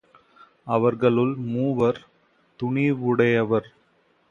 அவர்களுள் மூவர் துணிவுடையவர்.